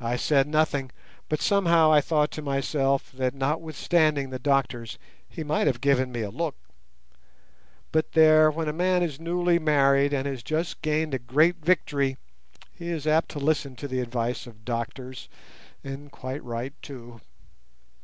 I said nothing, but somehow I thought to myself that notwithstanding the doctors he might have given me a look; but there, when a man is newly married and has just gained a great victory, he is apt to listen to the advice of doctors, and quite right too.